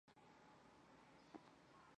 卡氏合跳蛛为跳蛛科合跳蛛属的动物。